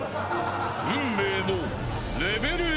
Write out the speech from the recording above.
［運命の］